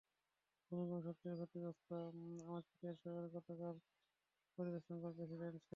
ভূমিকম্পে সবচেয়ে ক্ষতিগ্রস্ত আমাত্রিচে শহর গতকাল সকালে পরিদর্শন করেন প্রেসিডেন্ট সেরজো মাত্তারেল্লা।